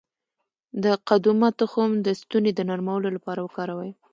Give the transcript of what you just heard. د قدومه تخم د ستوني د نرمولو لپاره وکاروئ